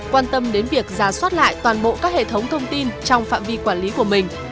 quan tâm đến việc giả soát lại toàn bộ các hệ thống thông tin trong phạm vi quản lý của mình